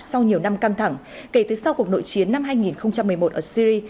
sau nhiều năm căng thẳng kể từ sau cuộc nội chiến năm hai nghìn một mươi một ở syri